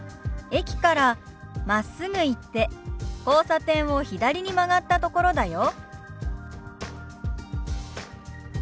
「駅からまっすぐ行って交差点を左に曲がったところだよ」。